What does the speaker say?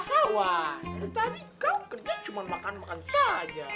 tawa tadi kau kerja cuma makan makan saja